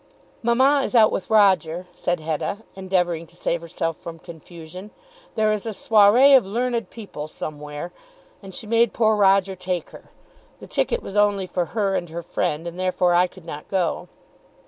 "Mamma is out with Roger," said Hetta endeavouring to save herself from confusion. "There is a soirée of learned people somewhere, and she made poor Roger take her. The ticket was only for her and her friend, and therefore I could not go."